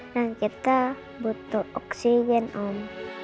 dan kita butuh oksigen om